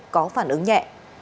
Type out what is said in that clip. có phản ứng nhẹ